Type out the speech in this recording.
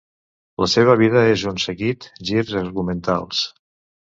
La seva vida és un seguit girs argumentals.